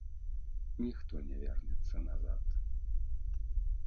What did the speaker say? Ніхто не вернецца назад.